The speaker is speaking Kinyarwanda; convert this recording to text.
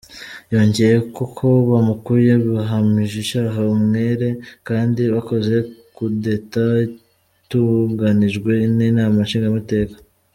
Yongeye ko ko abamukuye bahamije icaha umwere, kandi bakoze kudeta itunganijwe n'inama nshingamateka.